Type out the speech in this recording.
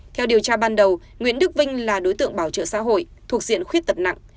theo điều tra ban đầu nguyễn đức vinh là đối tượng bảo trợ xã hội thuộc diện khuyết tật nặng